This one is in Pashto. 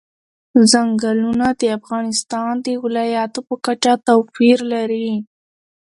ځنګلونه د افغانستان د ولایاتو په کچه توپیر لري.